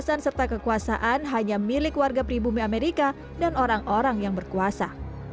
kekuasaan serta kekuasaan hanya milik warga pribumi amerika dan orang orang yang berkuasa